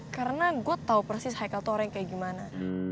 karena gue tau persis haikel tuh orang yang kayak gimana